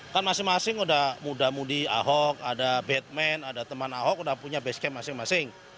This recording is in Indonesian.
karena masing masing sudah muda mudi ahok ada batman ada teman ahok sudah punya base camp masing masing